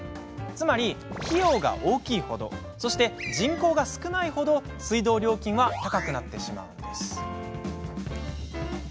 つまり、費用が大きいほどそして人口が少ないほど水道料金は高くなってしまうんです。